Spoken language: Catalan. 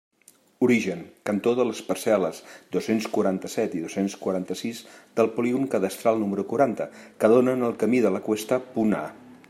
Origen: cantó de les parcel·les dos-cents quaranta-set i dos-cents quaranta-sis del polígon cadastral número quaranta, que donen al camí de la Cuesta, punt A.